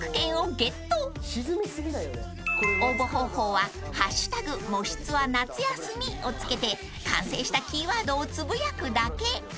［応募方法は「＃もしツア夏休み」を付けて完成したキーワードをつぶやくだけ］